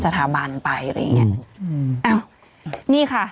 รอบละครั้งนี้